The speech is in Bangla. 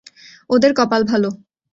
ওদের কপাল ভালো।